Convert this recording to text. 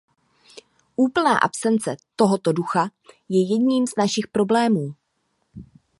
Úplná absence tohoto ducha je jedním z našich problémů.